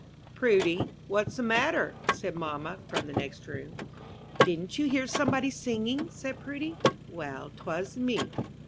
'" "Prudy, what's the matter?" said mamma, from the next room. "Didn't you hear somebody singing?" said Prudy; "well, 'twas me."